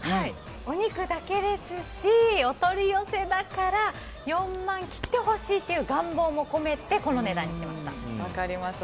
お肉だけですしお取り寄せだから４万を切ってほしいという願望も込めてこの値段にしました。